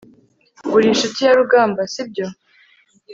uri inshuti ya rugamba, sibyo